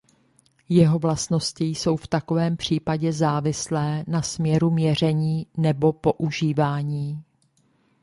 Jeho vlastnosti jsou v takovém případě závislé na směru měření nebo používání.